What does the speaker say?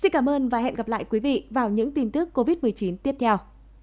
xin cảm ơn và hẹn gặp lại quý vị vào những tin tức covid một mươi chín tiếp theo